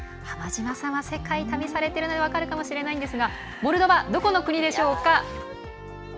浜島さんは、世界を旅されているので分かるかもしれないですがモルドバ、どこの国でしょうか？